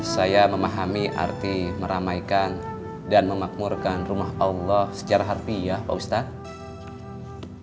saya memahami arti meramaikan dan memakmurkan rumah allah secara harfi ya pak ustadz